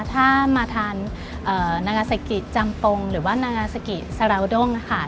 ถ้ามาทานนางาเซกิจำปงหรือว่านางาซากิซาราวด้งค่ะ